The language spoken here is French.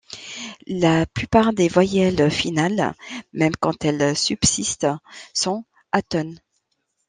La plupart des voyelles finales, même quand elles subsistent, sont atones.